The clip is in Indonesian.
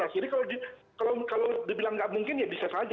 jadi kalau dibilang tidak mungkin ya bisa saja